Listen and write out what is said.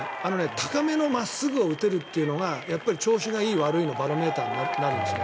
高めの真っすぐを打てるっていうのが調子がいい悪いのバロメータになるんですね。